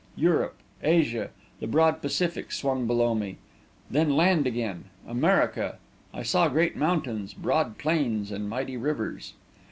Europe, Asia, the broad Pacific swung below me; then land again America! I saw great mountains, broad plains, and mighty rivers.